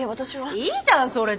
いいじゃんそれで。